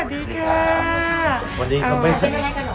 สวัสดีค่ะวันนี้กันไงกันหรอ